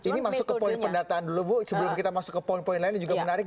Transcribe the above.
ini masuk ke poin pendataan dulu bu sebelum kita masuk ke poin poin lain yang juga menarik